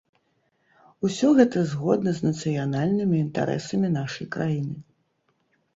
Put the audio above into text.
Усё гэта згодна з нацыянальнымі інтарэсамі нашай краіны!